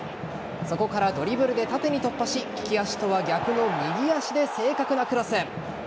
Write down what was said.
そこからドリブルで縦に突破し利き足とは逆の右足で正確なクロス。